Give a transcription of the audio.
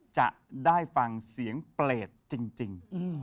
จะได้ฟังเสียงเปรตจริง